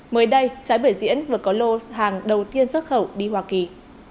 mới đây trái bưởi diễn vừa có lô hàng đầu tiên xuất khẩu đi hoa kỳ